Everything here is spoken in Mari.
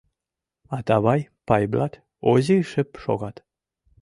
Атавай, Пайблат, Озий шып шогат.